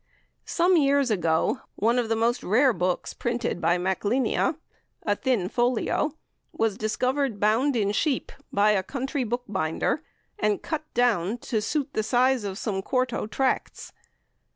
Some years ago one of the most rare books printed by Machlinia a thin folio was discovered bound in sheep by a country bookbinder, and cut down to suit the size of some quarto tracts.